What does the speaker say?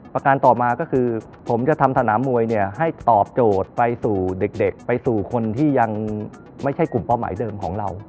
ประการต่อมาก็คือผมจะทำสนามมวยเนี่ยให้ตอบโจทย์ไปสู่เด็กไปสู่คนที่ยังไม่ใช่กลุ่มเป้าหมายเดิมของเรา